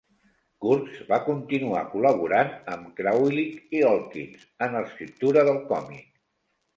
Kurtz va continuar col·laborant amb Krahulik i Holkins en l'escriptura del còmic.